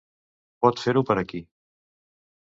Pot fer-ho per aquí.